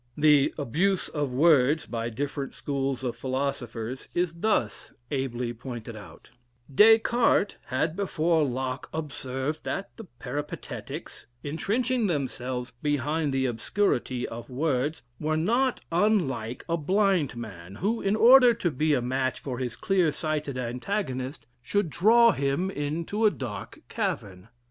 The "abuse of words" by different schools of philosophers is thus ably pointed out: "Descartes had before Locke observed that the Peripatetics, intrenching themselves behind the obscurity of words, were not unlike a blind man, who, in order to be a match for his clear sighted antagonist, should draw him into a dark cavern.